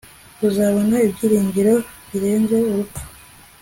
uzabona ibyiringiro birenze urupfu